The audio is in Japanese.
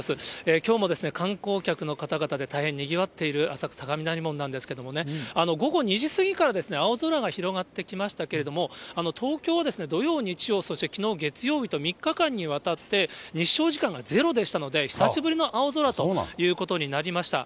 きょうも観光客の方々で大変にぎわっている浅草雷門なんですがね、午後２時過ぎから青空が広がってきましたけれども、東京は土曜、日曜、そしてきのう月曜日と３日間にわたって、日照時間がゼロでしたので、久しぶりの青空ということになりました。